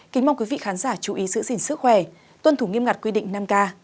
kính mong quý vị khán giả chú ý giữ gìn sức khỏe tuân thủ nghiêm ngặt quy định năm k